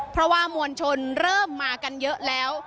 เพราะว่ามวลชนเริ่มมากันเยอะแล้ว